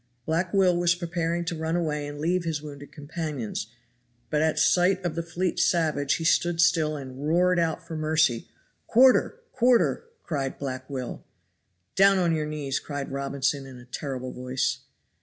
Black Will was preparing to run away and leave his wounded companions, but at sight of the fleet savage he stood still and roared out for mercy. "Quarter! quarter!" cried Black Will. "Down on your knees!" cried Robinson in a terrible voice.